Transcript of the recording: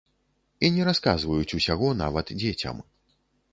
І не расказваюць усяго нават дзецям.